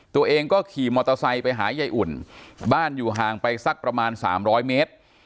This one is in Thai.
ตัวเองก็ขี่มอเตอร์ไซค์ไปหายายอุ่นบ้านอยู่ห่างไปสักประมาณ๓๐๐เมตร